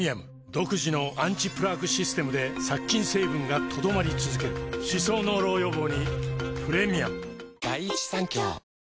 独自のアンチプラークシステムで殺菌成分が留まり続ける歯槽膿漏予防にプレミアム